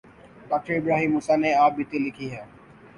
ڈاکٹرابراہیم موسی نے آپ بیتی لکھی ہے۔